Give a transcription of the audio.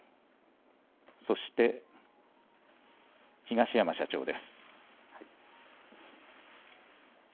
そして東山社長です。